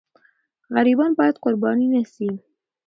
غریبان باید قرباني نه سي.